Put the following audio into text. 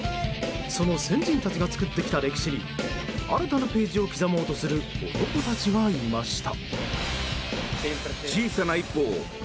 その先人たちが作ってきた歴史に新たなページを刻もうとする男たちがいました。